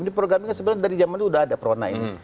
ini programnya sebenarnya dari zaman dulu sudah ada prona ini